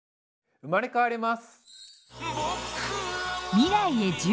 生まれ変わります！